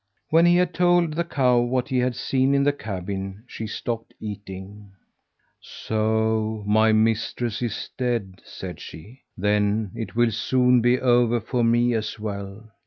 When he told the cow what he had seen in the cabin, she stopped eating. "So my mistress is dead," said she. "Then it will soon be over for me as well."